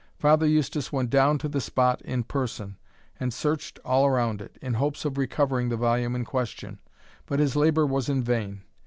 Father Eustace went down to the spot in person, and searched all around it, in hopes of recovering the volume in question; but his labour was in vain.